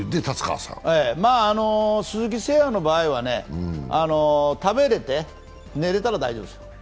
鈴木誠也の場合は、食べれて寝れたら大丈夫です。